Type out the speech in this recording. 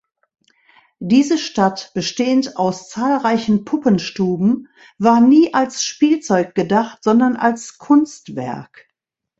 Diese Stadt, bestehend aus zahlreichen Puppenstuben, war nie als Spielzeug gedacht, sondern als Kunstwerk.